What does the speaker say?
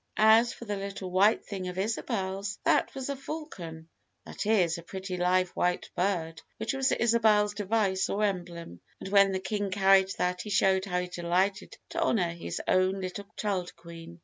As for the little white thing of Isabel's, that was a falcon that is, a pretty live white bird, which was Isabel's device or emblem; and when the King carried that he showed how he delighted to honor his own little child queen.